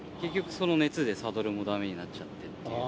結局その熱でサドルもだめになっちゃってっていう。